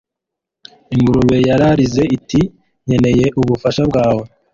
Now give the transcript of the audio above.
ingurube yararize iti 'nkeneye ubufasha bwawe